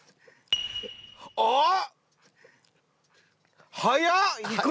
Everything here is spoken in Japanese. あっ！